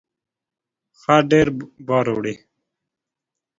خر ډیر بار وړي